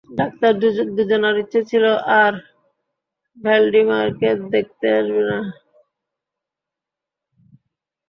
Doctor দুজনার ইচ্ছে ছিল আর ভ্যালডিমারকে দেখতে আসবেন না।